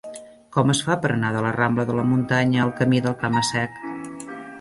Com es fa per anar de la rambla de la Muntanya al camí del Cama-sec?